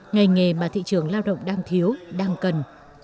ngành nghề mà thị trường lao động đang thiếu đang cần